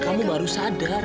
kamu baru sadar